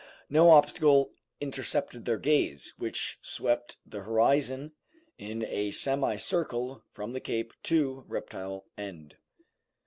No obstacle intercepted their gaze, which swept the horizon in a semi circle from the cape to Reptile End.